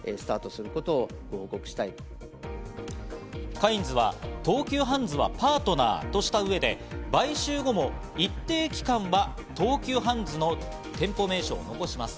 カインズは東急ハンズはパートナーとした上で、買収後も一定期間は東急ハンズの店舗名称を残します。